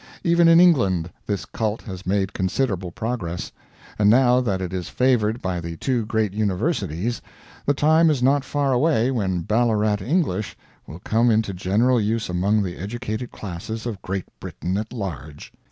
Even in England this cult has made considerable progress, and now that it is favored by the two great Universities, the time is not far away when Ballarat English will come into general use among the educated classes of Great Britain at large.